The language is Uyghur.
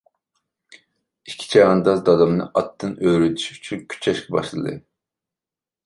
ئىككى چەۋەنداز دادامنى ئاتتىن ئۆرۈۋېتىش ئۈچۈن كۈچەشكە باشلىدى.